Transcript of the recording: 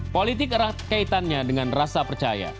politik erat kaitannya dengan rasa percaya